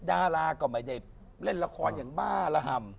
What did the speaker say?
ดาราก็ไม่ได้เล่นละครอย่างบ้าระห่ำ